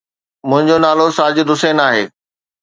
منهنجو نالو ساجد حسين آهي.